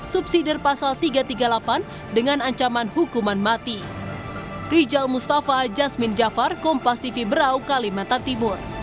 subsidi pasal tiga ratus tiga puluh delapan dengan ancaman hukuman mati